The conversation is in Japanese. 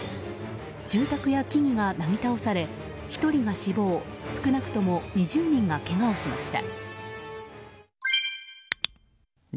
住宅や木々がなぎ倒され１人が死亡少なくとも２０人がけがをしました。